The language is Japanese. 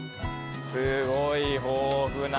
すごい豊富な。